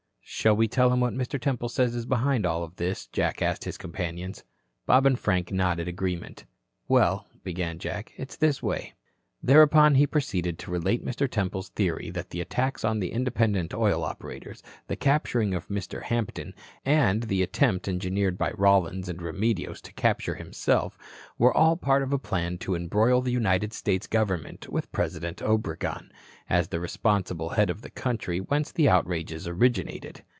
"Shall we tell him what Mr. Temple says is behind all this?" Jack asked his companions. Bob and Frank nodded agreement. "Well," began Jack, "it's this way." Thereupon he proceeded to relate Mr. Temple's theory that the attacks on the independent oil operators, the capturing of Mr. Hampton and the attempt engineered by Rollins and Remedios to capture himself, were all part of a plan to embroil the United States government with President Obregon, as the responsible head of the country whence the outrages originated.